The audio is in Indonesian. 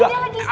dia lagi seret